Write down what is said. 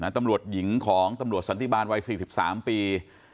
ตำรวจหญิงของตำรวจสันติบาลวัย๔๓ปี